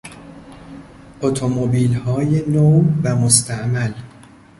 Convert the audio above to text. اتومبیلهای نو و مستعمل